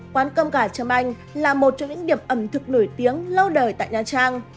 quán cơm gà trâm anh là một trong những điểm ẩm thực nổi tiếng lâu đời tại nha trang